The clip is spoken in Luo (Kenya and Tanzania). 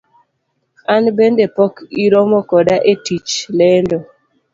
An bende pok iromo koda e tij lendo.